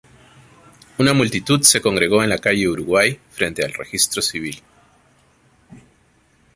Una multitud se congregó en la calle Uruguay, frente al Registro Civil.